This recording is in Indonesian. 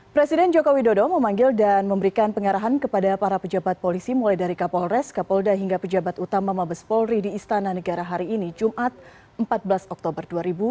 presiden jokowi dodo memanggil dan memberikan pengarahan kepada para pejabat polisi mulai dari kapolres kapolda hingga pejabat utama mabes polri di istana negara hari ini jumat empat belas oktober dua ribu dua puluh